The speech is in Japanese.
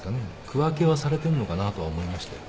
区分けはされてんのかなとは思いましたよ。